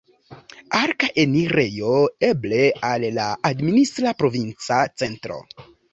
Arka enirejo, eble, al la administra provinca centro.